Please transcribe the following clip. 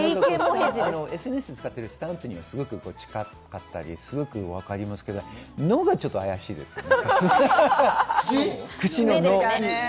ＳＮＳを使ってるスタッフに近かったり、すごくわかりますけど、「の」がちょっとあやしいですね。